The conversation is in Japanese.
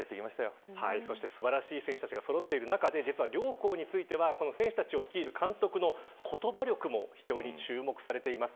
そして、素晴らしい選手たちがそろっている中で両校に関しては、監督の言葉力も非常に注目されています。